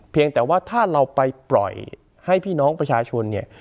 เพียงแต่ว่าถ้าเราไปปล่อยให้พี่น้องประชาชนเนี่ย